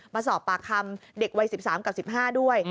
มาสอบปากคำเด็กวัย๑๓กับ๑๕ด้วย